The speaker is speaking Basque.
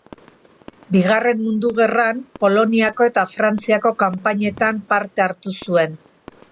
Bigarren Mundu Gerran, Poloniako eta Frantziako kanpainetan parte hartu zuen.